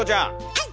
はい！